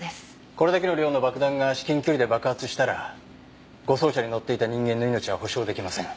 これだけの量の爆弾が至近距離で爆発したら護送車に乗っていた人間の命は保証出来ません。